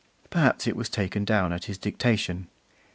Perhaps it was taken down at his dictation.